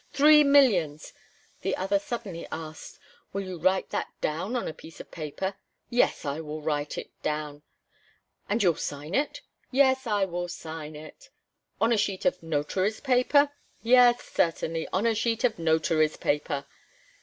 three millions," the other suddenly asked: "Will you write that down on a piece of paper?" "Yes, I will write it down!" "And you'll sign it?" "Yes, I will sign it." "On a sheet of notary's paper?" "Yes, certainly on a sheet of notary's paper!"